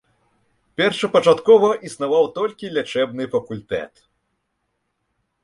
Першапачаткова існаваў толькі лячэбны факультэт.